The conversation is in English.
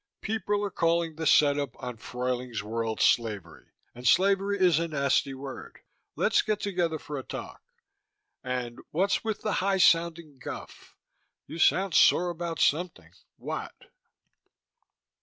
People are calling the setup on Fruyling's World slavery, and slavery is a nasty word. Let's get together for a talk and what's with the high sounding guff? You sound sore about something: what?